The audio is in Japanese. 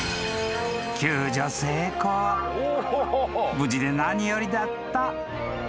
［無事で何よりだった］